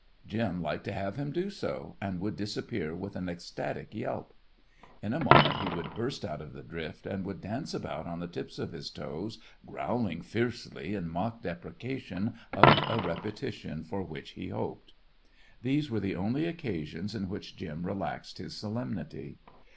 Jim liked to have him do so, and would disappear with an ecstatic yelp. In a moment he would burst out of the drift and would dance about on the tips of his toes growling fiercely in mock deprecation of a repetition for which he hoped. These were the only occasions in which Jim relaxed his solemnity.